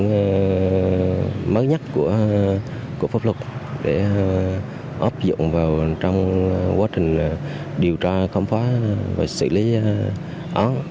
cảm ơn các đồng chí của pháp luật để ấp dụng vào trong quá trình điều tra khám phá và xử lý án